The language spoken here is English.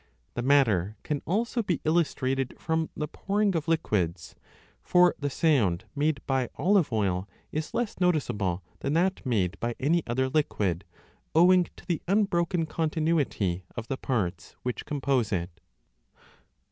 The matter can also be illustrated from the pouring of liquids, for the sound made by olive oil is less noticeable than that made by any other liquid, owing to the unbroken continuity of the parts which compose it.